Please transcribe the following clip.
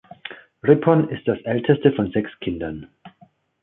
Rippon ist das älteste von sechs Kindern.